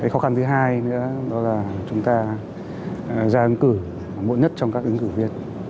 khó khăn thứ hai nữa đó là chúng ta ra ứng cử muộn nhất trong các ứng cử viên